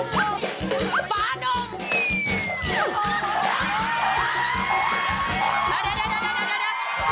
เดี๋ยว